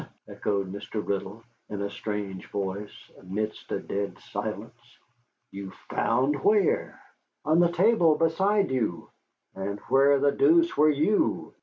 echoed Mr. Riddle, in a strange voice, amidst a dead silence. "You found where?" "On the table beside you." "And where the deuce were you?"